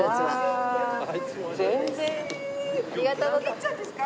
律ちゃんですか？